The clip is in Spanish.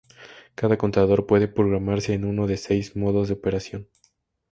Cada contador puede programarse en uno de seis modos de operación.